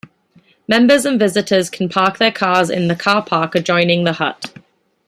Members and visitors can park their cars in the car park adjoining the hut.